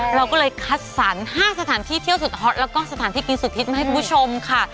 เราก็เลยคัดสรร๕สถานที่เที่ยวสุดฮอตแล้วก็สถานที่กินสุดฮิตมาให้คุณผู้ชมค่ะ